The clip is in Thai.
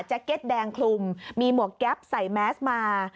เก็ตแดงคลุมมีหมวกแก๊ปใส่แมสมา